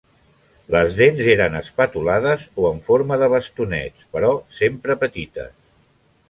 Les dents eren espatulades o en forma de bastonets però sempre petites.